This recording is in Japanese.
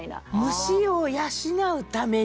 虫を養うために。